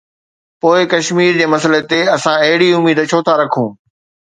پوءِ ڪشمير جي مسئلي تي اسان اهڙي اميد ڇو ٿا رکون؟